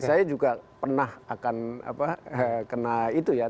saya juga pernah akan kena itu ya